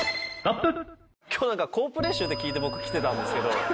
今日何か好プレー集って聞いて僕来てたんですけど。